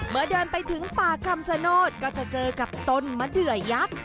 เดินไปถึงป่าคำชโนธก็จะเจอกับต้นมะเดือยักษ์